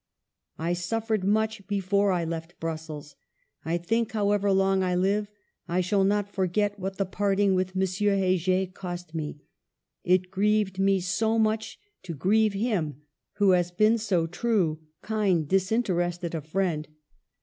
" I suffered much before I left Brussels. I think, however long I live, I shall not forget what the parting with Monsieur Heger cost me. It grieved me so much to grieve him who has been so true, kind, disinterested a friend.